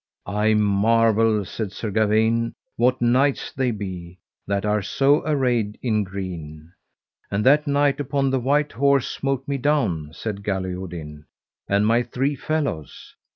I marvel, said Sir Gawaine, what knights they be, that are so arrayed in green. And that knight upon the white horse smote me down, said Galihodin, and my three fellows.